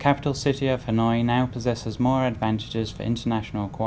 chủ tịch ubnd tp hà nội nguyễn đức trung về công tác đối ngoại trong giai đoạn phát triển mới